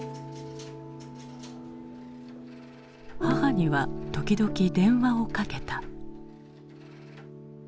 母には時々電話をかけた。